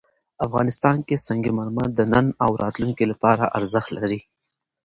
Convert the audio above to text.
افغانستان کې سنگ مرمر د نن او راتلونکي لپاره ارزښت لري.